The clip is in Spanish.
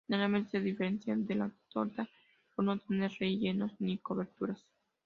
Generalmente se diferencia de la torta por no tener rellenos ni coberturas.